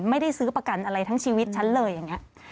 ไม่ได้ซื้อประกันอะไรทั้งชีวิตฉันเลยอย่างนี้